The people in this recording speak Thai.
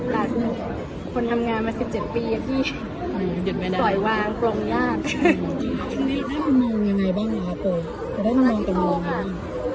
แต่ดูคนทำงานมา๑๗ปีที่ปล่อยวางปลงหยาก